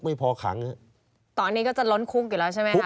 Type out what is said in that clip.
ไม่พอขังครับตอนนี้ก็จะล้นคุก